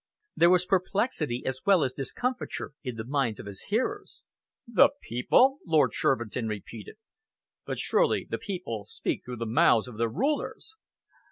There was perplexity as well as discomfiture in the minds of his hearers. "The people?" Lord Shervinton repeated. "But surely the people speak through the mouths of their rulers?"